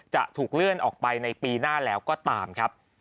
จะถูกเลื่อนออกไปในปีหน้าแล้วก็ตามครับ